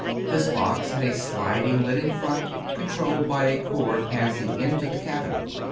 This box had a sliding lid in front, controlled by a cord passing into the cabinet.